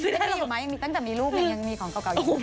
ได้ไหมตั้งแต่มีรูปมันยังมีของเก่าอยู่